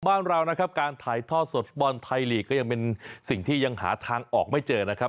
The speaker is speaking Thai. บ้านเรานะครับการถ่ายทอดสดฟุตบอลไทยลีกก็ยังเป็นสิ่งที่ยังหาทางออกไม่เจอนะครับ